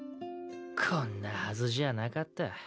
こんなはずじゃなかった。